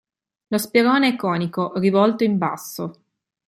Lo sperone è conico, rivolto in basso.